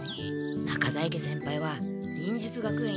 中在家先輩は忍術学園一